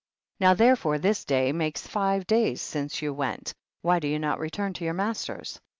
14. Now therefore this day makes five days since you went, why do you not return to your masters